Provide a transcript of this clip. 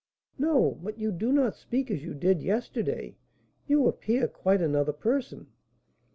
"No; but you do not speak as you did yesterday; you appear quite another person."